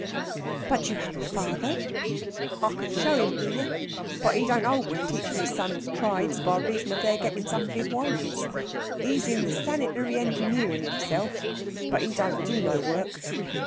"But you have a father?" "I could show him you. But he don't hold with teachin' his sons trides, by reason of their gettin' some of his wiges. He's in the sanitary engineering himself, but he don't do no work."